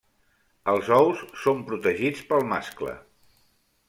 Els ous són protegits pel mascle.